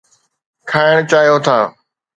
کائڻ چاهيو ٿا؟